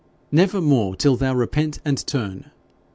'Never more till thou repent and turn.